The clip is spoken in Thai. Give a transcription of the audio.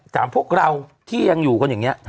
ถามพวกเราที่ยังอยู่คนแบบนี้